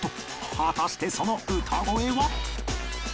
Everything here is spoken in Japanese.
果たしてその歌声は？